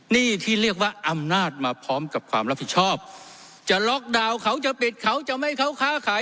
นี่ที่เรียกว่าอำนาจมาพร้อมกับความรับผิดชอบจะล็อกดาวน์เขาจะปิดเขาจะไม่เขาค้าขาย